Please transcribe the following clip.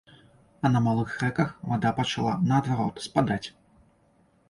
А на малых рэках вада пачала наадварот спадаць.